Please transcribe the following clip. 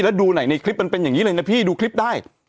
แล้วดูไหนในคลิปมันเป็นอย่างนี้เลยนะพี่ดูคลิปได้